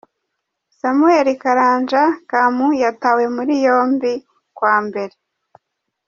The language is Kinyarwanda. Samuel Karanja Kamau yatawe muri yombi kwa Mbere.